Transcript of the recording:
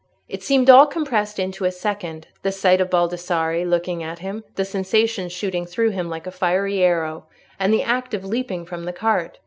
It seemed all compressed into a second—the sight of Baldassarre looking at him, the sensation shooting through him like a fiery arrow, and the act of leaping from the cart.